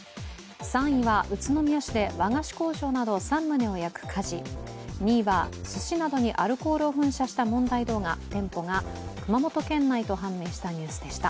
３位は、宇都宮市で和菓子工場など３棟を焼く火事２位は、すしなどにアルコールを噴射した問題動画、店舗が熊本県内と判明したニュースでした。